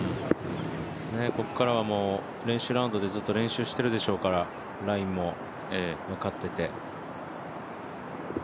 ここからはもう練習ラウンドでずっと練習してるでしょうからラインも分かってて。